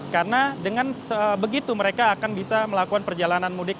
karena dengan begitu mereka akan bisa melakukan perjalanan mudik